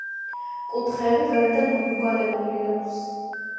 კუთხეები გარედან მომრგვალებული აქვს.